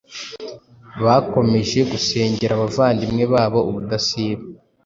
bakomeje gusengera abavandimwe babo ubudasiba,